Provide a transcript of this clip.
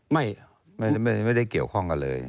ไม่ได้เกี่ยวข้องกันเลย